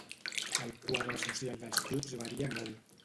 El quadre social dels clubs varia molt.